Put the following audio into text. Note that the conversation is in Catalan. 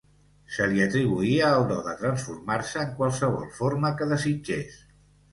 Se li atribuïa el do de transformar-se en qualsevol forma que desitgés.